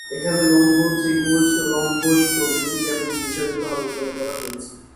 এখানে লম্ব, ত্রিভুজ, রম্বস প্রভৃতি জ্যামিতিক বিষয় গুলো আলোচনা করা হয়েছে।